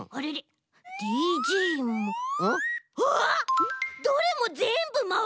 あっどれもぜんぶまわるものだ！